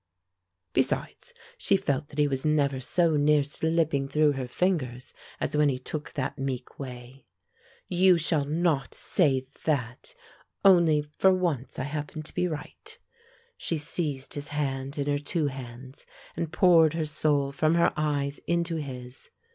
Besides, she felt that he was never so near slipping through her fingers as when he took that meek way. "You shall not say that! Only, for once I happen to be right." She seized his hand in her two hands, and poured her soul from her eyes into his.